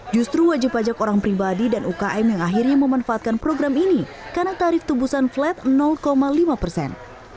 justru wajib pajak orang pribadi dan ukm yang akhirnya memanfaatkan program ini karena tarif tebusan flat lima persen